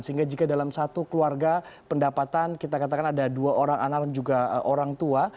sehingga jika dalam satu keluarga pendapatan kita katakan ada dua orang anak dan juga orang tua